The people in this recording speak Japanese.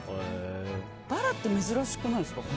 バラって珍しくないですか。